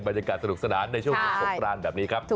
บรรยากาศสนุกสนานในช่วงสงกรานแบบนี้ครับ